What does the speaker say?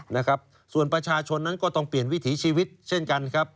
นะครับส่วนประชาชนนั้นก็ต้องเปลี่ยนวิถีชีวิตเช่นกันครับ